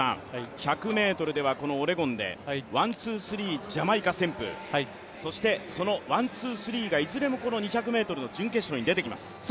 １００ｍではこのオレゴンで、ワン・ツー・スリー、ジャマイカ旋風、そしてそのワン・ツー・スリーがいずれもこの２００目の準決勝に出てきます。